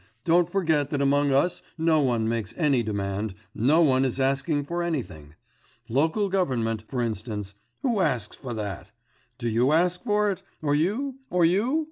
Don't forget that among us no one makes any demand, no one is asking for anything. Local government, for instance who asks for that? Do you ask for it? or you, or you?